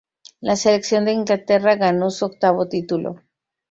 La selección de Inglaterra ganó su octavo título.